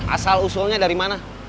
asal usulnya dari mana